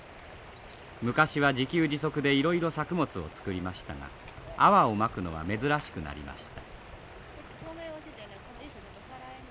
昔は自給自足でいろいろ作物を作りましたがアワをまくのは珍しくなりました。